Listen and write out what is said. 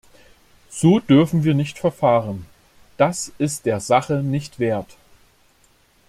So dürfen wir nicht verfahren, das ist der Sache nicht wert.